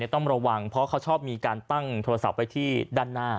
ต้องระวังเพราะเขาชอบมีการตั้งโทรศัพท์ไว้ที่ด้านหน้า